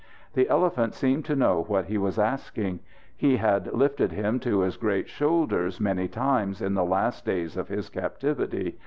The elephant seemed to know what he was asking. He had lifted him to his great shoulders many times, in the last days of his captivity.